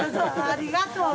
ありがとう。